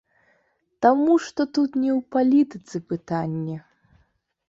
Таму што тут не ў палітыцы пытанне.